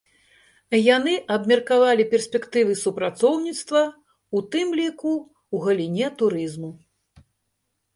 Яны абмеркавалі перспектывы супрацоўніцтва, у тым ліку ў галіне турызму.